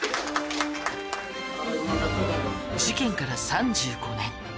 事件から３５年。